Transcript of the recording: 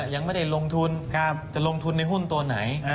ยังไม่ได้ลงทุนจะลงทุนในหุ้นตัวไหน